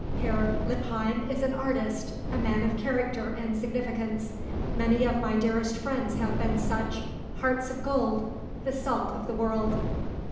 Herr Lippheim is an artist; a man of character and significance. Many of my dearest friends have been such; hearts of gold; the salt of the world."